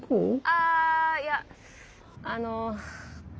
あいやあの。